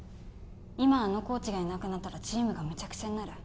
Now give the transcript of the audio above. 今あのコーチがいなくなったらチームがめちゃくちゃになる